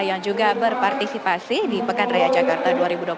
yang juga berpartisipasi di pekan raya jakarta dua ribu dua puluh tiga